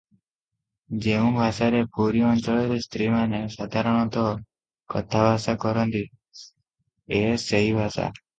ଯେଉଁ ଭାଷାରେ ପୁରୀ ଅଞ୍ଚଳରେ ସ୍ତ୍ରୀମାନେ ସାଧାରଣତଃ କଥାଭାଷା କରନ୍ତି ଏ ସେହି ଭାଷା ।